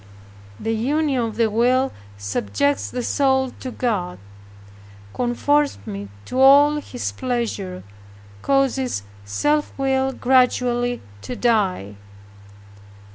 The union of the will subjects the soul to God, conforms it to all His pleasure, causes self will gradually to die.